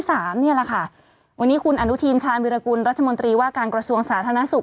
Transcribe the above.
วันนี้คุณอนุทีนชาวมิรกุลรัฐมนตรีว่าการกระทรวงสาธารณสุข